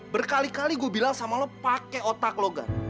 berkali kali gue bilang sama lo pakai otak logat